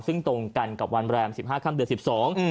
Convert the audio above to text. ซึ่งตรงกันกับวันแบรม๑๕ครั้งเดือน๑๒